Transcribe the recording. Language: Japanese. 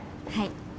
はい。